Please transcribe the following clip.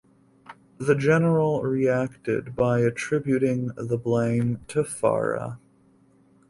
The general reacted by attributing the blame to Fara.